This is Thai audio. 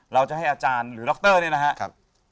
เราจะให้อาจารย์หรือล็อคเตอร์เนี่ยนะครับ